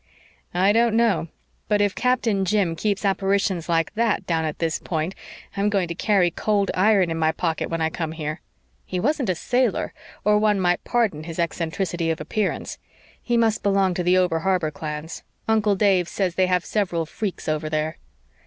"I don't know; but if Captain Jim keeps apparitions like that down at this Point I'm going to carry cold iron in my pocket when I come here. He wasn't a sailor, or one might pardon his eccentricity of appearance; he must belong to the over harbor clans. Uncle Dave says they have several freaks over there."